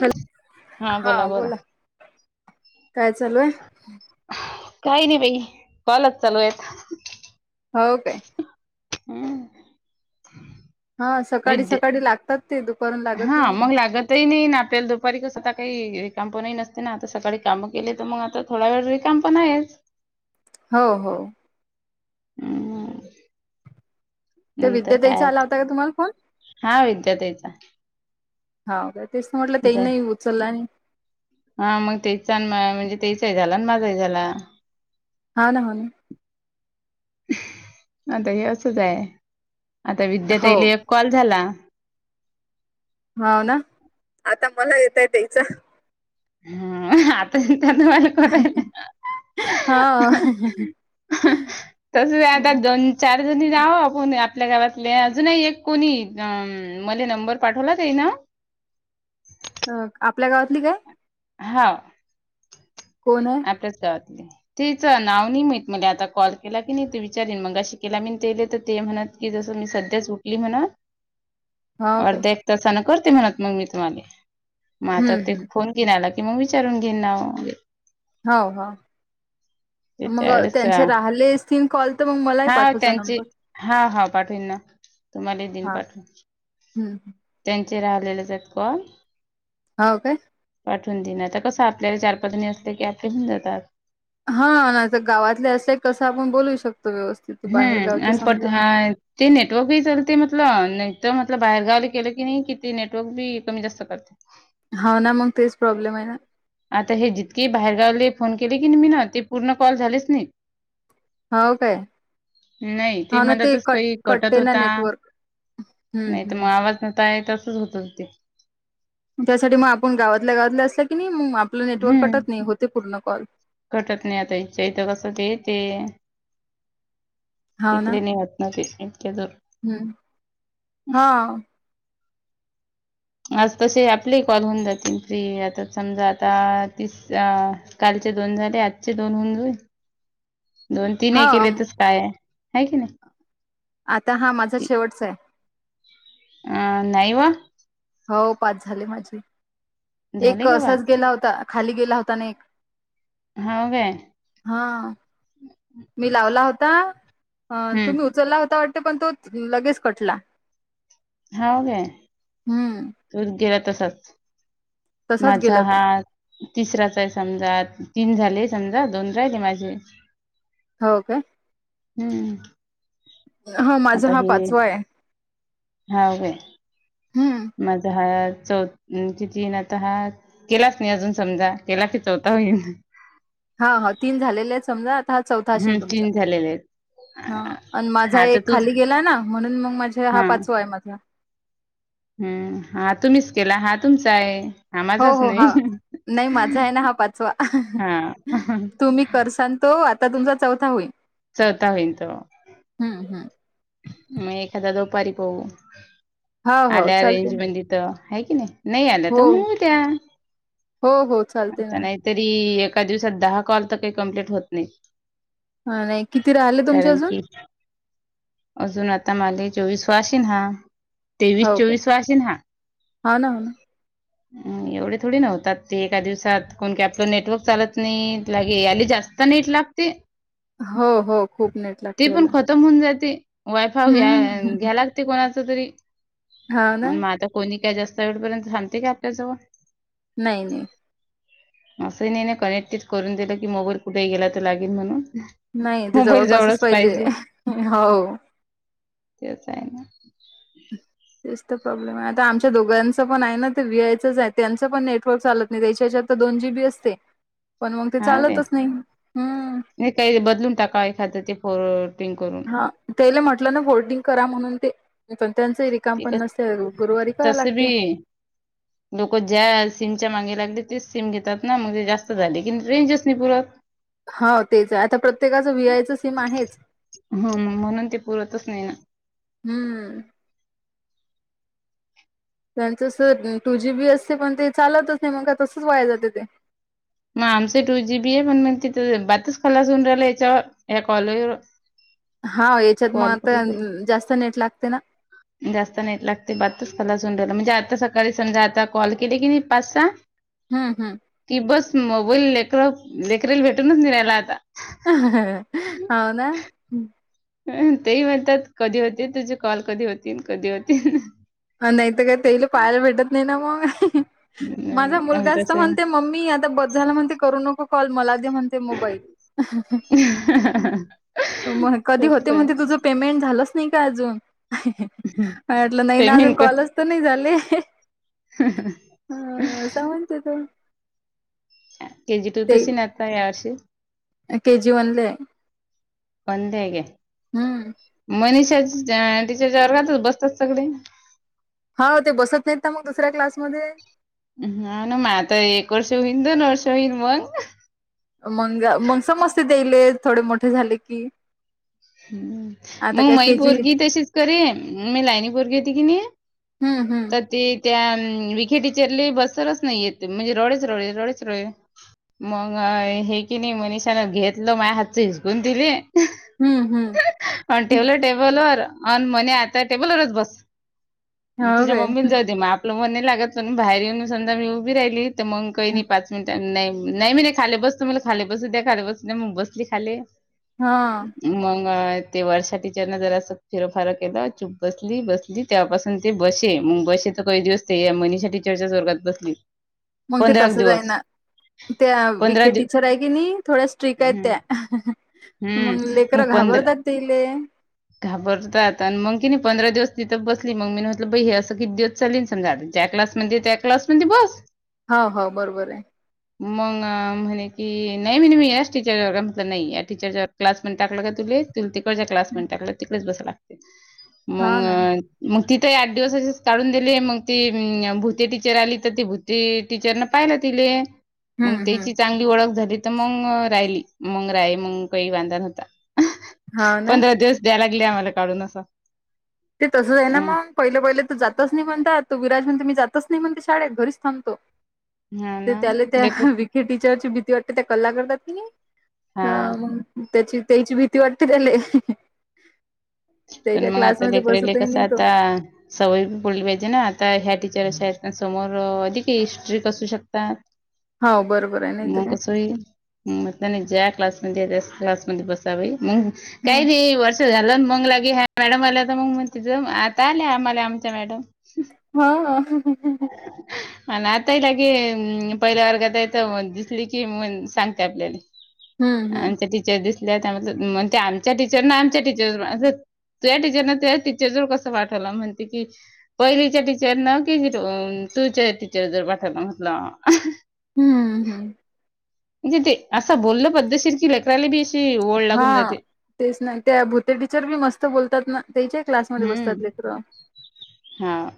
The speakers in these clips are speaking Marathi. हॅलो हा बोला काय चालू आहे? काही नाही बाई कॉलच चालू आहेत. होव काय. हम्म हा सकाळी विद्या सकाळी लागतात ते दुपारून लागत नाही ना. ताई नाही ना आपल्याला दुपारी कस आता काही काम पण ही नसते ना आता सकाळी काम केले तर मग आता. थोडा वेळ [unintelligible] काम पण आहे. हो हो. हम् ते नाही तर विद्या काय ताईचा आला आहेत. होता का तुम्हाला फोन हा विद्या ताई चा. हा का तेच म्हटलं तेही नाही उचललं आणि. हा मग तेचा म्हणजे तेचाही झाला ना माझाही झाला. हा ना हो ना.. आता हे असच आहे आता विद्या हो ताईल एक कॉल झाला. हो ना आता मला येतय त्याच. ह आता त्यांन हा तस आता दोन. चार जणी जावू आपण आपल्या गावातले अजूनही एक कोणी मले नंबर पाठवला तेन. अ आपल्या गावातली काय? हा. कोण आहे? हेच काय? तेचं नाव नाही माहित मला आता कॉल केला की नाही तू विचारन मग अशी केला मी तेले तर ते म्हण कि जसं मी सध्याच झोपली म्हण. हो काय अर्ध एक तसा ना करते म्हणत मग मी तुम्हाला, मग आता हम्म ते हम्म फोन. घेण्याला कि मग विचारून घेन ना. हो हो. ते मग त्यावेळेस त्यांचे राहिले स्थीन कॉल तर मग मलाही हा पाठवचा त्यांचे नंबर. हा हा पाठवन ना तुम्हाला दिन हा पाठवून. हम्म त्यांचे राहिलेले ज आहेत कॉल. हो काय? पाठवून देणार तर कसं आपल्याला चार पाजनी असलं की आपले घऊन जातात. हा ना तर गावातले असत कसं आपण बोलू शकतो व्यवस्थ हम्म, आणि परत नाय ते नेटवर्कहीी चालते म्हटलं नाही तरर म्हटलं बाहेर गावला केलं की नाही कि ते नेटवर्क बी कमी जास्त करत. हा ना मग तेच प्रॉब्लेम आहे ना. आता हे जितके बाहेर गावले फोन केले की मी ना ते पूर्ण कॉल झालेच नाहीत. हो काय? नाही ती हा ना ते मनातच कट काही कटत कटते ना होता, नेटवर्क हम्म नाही तर मग हम्म आवाज न काय तसच पण ते. त्यासाठी मग आपण गावातल्या गावातल्या असल्या की नाही मग आपलं नेटवर्क हम्म. कटत नाही होते पूर्ण कॉल. कटत नाही आता हेंच्या इथं कस ते ते, हा ना तिकडे नाही होत. ना ते इंक्या दो हम्म हा. [inaudible] आज तसे आपले कॉल होऊन जातील फ्री आता समजा आता तीस काल आजचे दोन झाले आजचे दोन होऊन जा दोन तीन हे हा केले तर काय हाय की नाही? आता हा माझा शेवटचा आहे. हा नई ओ हो पाच झाले माझी. एक झाले का असाच बात गेला होता खाली गेला होता ना एक. हा काय? हा मी लावला होता हम्म तुम्ही उचलला होता वाट ते पण तो लगेच कटला. हो गे हम्म तूच गेला तसाच तसाच माझा गेला तो हात. तिसराच आहे समजा तीन झाले समजा दोन राहिले माझे. हो काय? हम्म. हा माझा हा पाचवा आहे. हा बाई, हम्म माझा ह्याच आता जिन्याच हाय. केलाच नाही अजून समजा केला की चौथा होईल. हा हो तीन झालेले आहेत समजा आता हा चौथा हम्म असशेन तुमचा. तीन झालेले आहेत हा आ- आणि माझा हा तर एक तूच खाली गेला ना म्हणून मग माझे हा पाचवा आहे माझा. हम्म हा तुम्हीच केला हा तुमचा आहे. हा हो माझाच हो नाही हा नाही माझा आहे ना हा पाचवा हा तुम्ही कर सांनतो आता तुमचा चौथा होईल. चता होईन तेव्हा. हम्म हम्म मग एखादा दुपारी पाहू हा हो आल्या चालते ना रेंजमध्ये इथं आहे की नाही? नाही आलेत हो तर, उद्या हो हो चालते ना आता नाही. तरी एका दिवसात दहा कॉल तर, काही कंप्लीट होत नाही. हां.. नाही किती राहिले, तुमचे कारण अजून. की अजून आता मला चोवीस वासिन हा. तेवीस हो काय चोवीस वाषेन हा. हो ना हो ना एवढे थोडी नव्हतात ते एका दिवसात, कोण काय आपलं नेटवर्क चालत नाही, लागे आली जास्त. ती नीट लागती हो हो ती, खूप नेट ती लागते पण याला खतम होऊन जाती. वायफाव घ्या हम्म घ्याव लागते, कोणाच तरी हा ना मग आता. कोणी काय जास्त वेळपर्यंत, थांबते का आपल्याजवळ. नाही नाही. असं नाही कनेक्टेड करून दिलं की, मोबाईल कुठेही गेला तर लागेल म्हणून. नाही इथं मोबाईल जवळपासच जवळच पाहिजे हो. तेच आहे ना. तेच तर प्रॉब्लेम आहे आता, आमच्या दोघांचं पण आहे ना ते व्हीआयचंच आहे, त्यांचं पण नेटवर्क चालत. तेच्या हेच्या तर दोन जी बी असते, पण मग ते हाव रे चालतच नाही हम्म. नाही काही बदलून टाकाय, एखादं ते फोटिंग करून. हा तेले म्हटलं ना, फोर्टिंग करा म्हणून ते. पण त्यांचे रिकाम ते पण कस नसते, गुरुवारी कराव तसं बी लागते. लोक ज्या सिमच्या मागे लागले तेच सीम घेतात ना, म्हणजे जास्त झाले की रेंजच नाही पुरत. हो तेच आहे, आता प्रत्येकाचं व्ही आयचं सीम आहेच. हो म्हणून ती, पुरतच नाही ना. हम्म. त्यांच स टू जी बी असते पण ते, चालतच नाही मग का तसंच वाया जाते ते. मग आमच टू जी बी आहे पण, मग तिथं बातच खलास हून राहिला हेच्यावर ह्या कॉलज. हां.. हेच्यात मग आता जास्त नेट लागते ना. जास्त नाही लागते बातच खलास म्हणजे, आता सकाळी समजा आता कॉल केला की नाही पाच सहा. [unintelligible] हम्म हम्म. की बस मोबाईल लेकर लेकरेला, भेटूनच निघाला आता. हौ ना. हम. तेही म्हणतात कधी होते तुझी, कॉल कधी होतील कधी होतील. अ नाही तर काय, तेल पाहायला भेटत नाही ना मग. माझा नाही आणि मुलगा तर तसं म्हणते, मम्मी आता बस झाल आता म्हणते करू नको कॉल मला‌दे म्हणते. ते मोबाईल आहे मग कधी होते, तसंच म्हणते आहे तुझ. पेमेंट झालंच नाही का अजून, वाटलं नाही ना अजून पेमेंट कॉलच तर नाही झाले. हं हं. अं.. सावंतेत. के जी टू तशी ना, आता या वर्षी. ते जीवनले. पाणी दे गे. हम्म. मनीषा टिचरच्या वर्गातच बसतात सगळे. हो ते बसत नाहीत ना मग, दुसऱ्या क्लासमध्ये. हा ना मग आता एक वर्ष होईन, दोन वर्ष होईन मग. मंग मग समस्त देले, थोडे मोठे झाले की. आता मग काय मई के जी पोरगी तशीच करेन मी लायनी पोरगी होती की नाही. हम्म हम.. तर ती. त्या विखेटीचरले बसलच नाही, येत म्हणजे रडेच रोळे रडेच रोळे. मग हे की नाही मनिषाला घेतलं, माझ हातचं हिसकून तिले. हम्म हम्म. हा ठेवलं टेबलावर आण, म्हणे आता टेबल वरचं बस. मग हो तुझ्या काय मम्मी जाऊ दे मग, आपलं मन नाही लागत पण, बाहेर येऊन सध्या मी उभी राहिलीत. तर मग काही नाही, पाच मिनट नाही. नाही मी नाही खाले बसतो, मला खाली बसू द्या खाली बसू दे मग बसली खाले. हां. मग ते वर्षाटीचरन जरा असं फिरफार केलं, चूप बसली बसली. ती तेव्हापासून ते बसे, मग बसे तर काही दिवस ते या मनिषा टिचर चाच वर्गात बसली. मग ते एक तसंच आहे दिवस. ना, त्या विखे दिव टीचर आहे की नाही थोड्या स्ट्रिक आहेत हं, त्या. मग लेकर घाबरतात तेले. घाबरतात आणि मग की नाही पंधरा दिवस तिथं बसली, मग मी म्हटलं बाई हे असं किती दिवस. चा समजा त्या क्लासमध्ये, त्या क्लासमध्ये बस. हो हो. बरोबर आहे. मग म्हणे की नाही म्हणे मी, याचं टीचर का म्हटलं नाही या टीचरच्या. क्लासमध्ये टाकलं का तुम्ही, तिकडच्या क्लासमध्ये टाकलं तिकडेच बसाव लागते हा ना मगं. मग तिथं आठ दिवसाशीच काढून दिले मग ती भूते टीचर आली तर ती भू ती टीचरन पाहिले तिले. मग हम्म हम्म त्याची चांगली ओळख झाली तर, मग राहिली मग राय मग काही वांध नव्हता. हा ना पंधरा दिवस द्याय लागले, आम्हाला काढून असं. ते तसंच आहे ना हम्म मग. पहिलं पहिलं तर जातच नाही म्हणतात, तो विराज म्हणतो मी जातच नाही म्हणतो, शाळेत घरीच थांबतो. हा ते ना त्याला लेकर त्या वी हे टीचर ची भीती वाटते त्या, कल्ला करत्यात कणी हा मगं. त्याची त्याची, भीती वाटते तेले त्याच्या क्लास. त लेकडेले कसं आता. सवयी बोलली पाहिजे ना, आता ह्या टीचर शाळेत समोर अधिक स्ट्रीट असू शकता. हो बरोबर आहे [unintelligible] नाही तर मग काय. कसय त्यांनी ज्या, क्लासमध्ये त्या क्लासमध्ये बसं. मग हम्म काही वर्ष झालं मग. मॅडम आल्या तर मग म्हणते, तिथं आता आल्या आम्हाला आमच्या मॅडम. हा हा. हम्म हम्म. [unintelligible] आणि आताही लागे, पहिल्या वर्गात तर दिसली कि, मग सांगते आपल्याला. हम्म हम्म आमच्या टीचर दिसल्या त्याण आमच्या टीचर ना आमच्या टीचर असच त्या टीचरन त टीचर जर कस पाठवल, म्हणते ती पहिलीच्या टीचरन कि. तु तुझ्या टीचर जर पाठला म्हटलं हम्म हम्म. म्हणजे ते असं बोलल पद्धतशीर की, लेकराला बी अशी ओळ हा लागून जाते. तेच ना त्या भुते टीचर बी मस्त बोलतात ना, तेच्याही क्लासमध्ये बसतात लेकर. हां.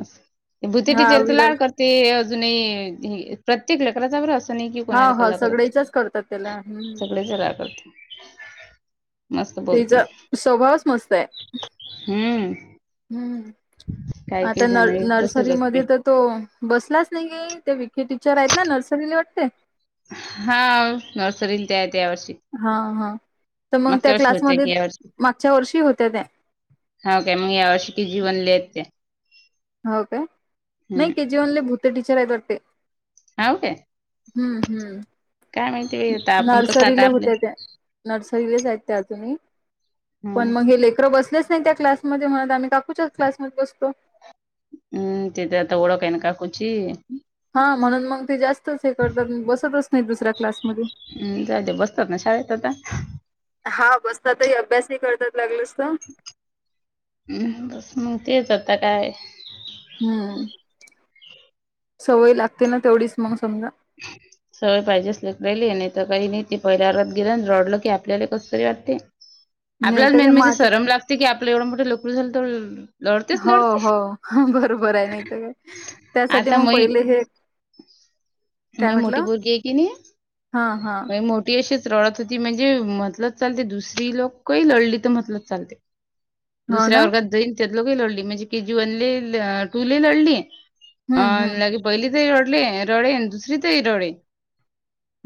असं भुते हा टीचर तर, विराज लाड कर ते अजूनही प्रत्येक लेकराचं बरं असय. नाही कि हा कोणाला हा कल करत, सगळ्याच्याच करतात त्याला हम्म सगळे सग करते. मस्त बोलते. स्वभावाचं मस्त आहे. हम्म हम्म. काही आता काही न जण तसेच असते नर्सरीमध्ये तर, तो बसलाच नाही गे ते, विखि टीचर आहेत ना नर्सरीली वाटते. हा नर्सरीला त्या, आहेत या वर्षी. हा हा. तर मग त्या मागच्या वर्षी होत्या क्लासमध्ये, की या मागच्या वर्षी होत्या त्या. हो. काय मग यावर्ष की केजी बनले त्या. हो काय, नाही के हम्म जी वनले भूते टीचर आहे वाटते. हो काय हम्म हम्म काय माहिती आता आपण कसं आता नर्सरीले आपल्या होत्या त्या नर्सरीलेच आहेत त्या अजूनही, हम्म पण मग हे लेकर बसलेच नाही त्या क्लास मधे म्हत आम्ही काकूच्या क्लासमध्ये बसतो. हम्म तेजी आता ओळख आहे ना काकूची. हा म्हणून मग ते जास् तच हे करतात बसतच नाही, दुसऱ्या क्लासमध्ये. हम्म जाऊ दे बसतात ना शाळेत आता हा बसतातही अभ्यासही करतात लागलस तर. हम्म बस मग तेच आता काय. हम्म सवय लागते ना तेवढीच मग समजा. [inaudible] सगळ पाहिजे असलेच राहिले, नाहीतर काही नाही ते पहिल्या रात गेलं रडलं, की आपल्याला कसंतरी वाटते. नाही आपल्याला तर काय मेन म म्हणजे आता सरम लागते की आपलं एवढं मोठे लेकरू झालं तर. लढतेच हो लढते. हो बरोबर आहे नाही तर काय त्यासाठी आता मग पहिले हे. काय माई मोटी म्हटलं पोरगी ही की नई, हा हा माई मोट ती अशीच रडत होती. म्हणजे म्हटलच चालते दुसरी लोकही लढली तर म्हटलं चालतंय. हो ना दुसऱ्या वर्गात दैन त्यात लोके लढली म्हणजे के जी वन टू लढली. हम्म हम्म अलागी पहिली तही रडले रडे आणि दुसरी तही रडे.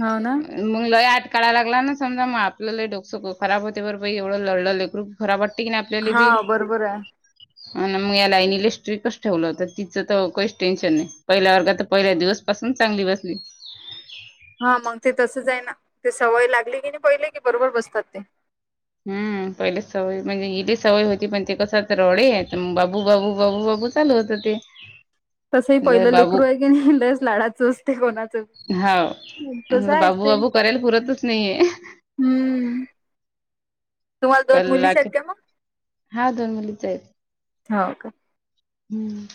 हाव ना. मग लय आट काळाय लागला ना समजा मग आपलं लय डोकसो खराब होते बर ब एवढं लढलं लेकरू. खराब वाटते की नाही आपल्याला हा बी. बरोबर आहे आणि मग या लाईन ल स्ट्रीकस ठेवलं होत तिचं तर काहीच टेन्शन नाही पहिल्या वर्गा तर पहिल्या दिवस. पसंत चांगली बसली. हा मग ते तसच आहे ना ते सवय लागली की नाही पहिले की बरोबर बसतात ते. हम्म पहिले सवय म्हणजे हिली सवय होती पण ते कसात रडे बाबू बाबू बाबू बाबू चालू होतं ते. तसंही पहिलं म्हणलं बाबू लेकरू आहे की नाही लस लाडाचं असते कोणाचं. हाव तसं [unintelligible] आहेच बाबू ते. बाबू करायला पुरतच नाहीये. हम्म. तुम्हाला दोन कल्ला मुलीच की हायत का मग? हा दोन मुलीच आहेत हो का. हम्म.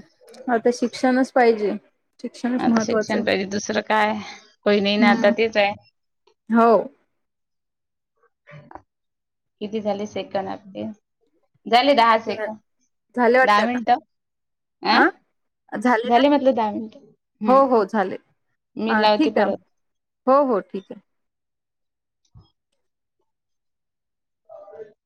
[unintelligible] आता शिक्षणच पाहिजे. शिक्षणच आता महत्त्वाचं शिक्षण आहे. पाहिजे दुसरं काय कोई नाही ना आता हम्म तेच आहे. हो. किती झाले सेकंड आपडले? झाले दहा सेकंड, झाले वाटत दहा आता मिनिटं, अं? आ ना? झाले म्हटलं दहा मिनट. हो हम्म, हो झाले मी लावती ठीक आहे परत. हो हो ठीक आहे. [inaudible]